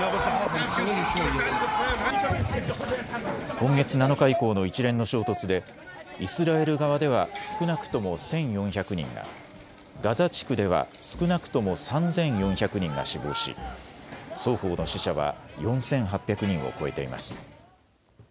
今月７日以降の一連の衝突でイスラエル側では少なくとも１４００人が、ガザ地区では少なくとも３４００人が死亡し双方の死者は４８００人を超えています。